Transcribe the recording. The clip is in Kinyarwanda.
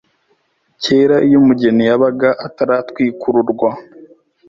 Kera iyo umugeni yabaga ataratwikururwa